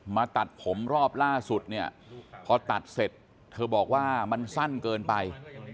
มาตัดผมรอบล่าสุดเนี่ยพอตัดเสร็จเธอบอกว่ามันสั้นเกินไป